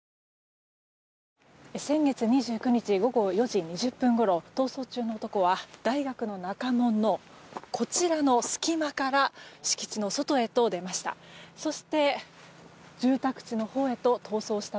先月２９日午後４時２０分ごろ逃走中の男は大学の中門のこちらの隙間から敷地の外へと出ました。